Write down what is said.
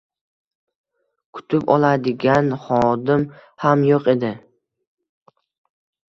Kutib oladigan xodim ham yoʻq edi.